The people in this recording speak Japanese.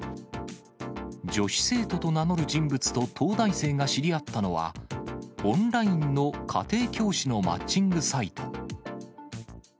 女子生徒と名乗る人物と東大生が知り合ったのは、オンラインの家庭教師のマッチングサイト。